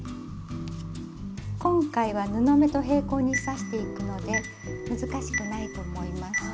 今回は布目と平行に刺していくので難しくないと思います。